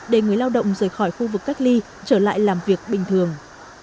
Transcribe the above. để người lao động rời khỏi khu vực cách ly trở lại làm việc bình thường